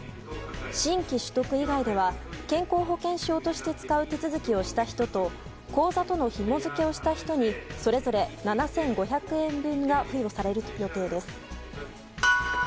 新規取得以外では健康保険証として使う手続きをした人と口座とのひも付けをした人にそれぞれ７５００円分が付与されるということです。